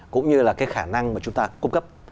cũng như là cái khả năng mà chúng ta cung cấp